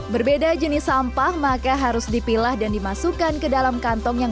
berbeda jenis sampah maka harus dipilah dan dimasukkan ke dalam kantong yang